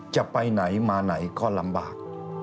จะไปไหนมาไหนก็ลำบาก